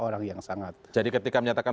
orang yang sangat jadi ketika menyatakan